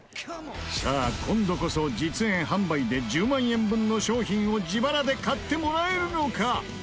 さあ、今度こそ、実演販売で１０万円分の商品を自腹で買ってもらえるのか？